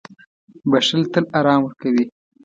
• بښل تل آرام ورکوي.